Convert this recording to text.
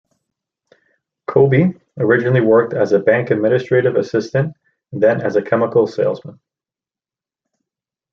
Cobey originally worked as a bank administrative assistant and then as a chemical salesman.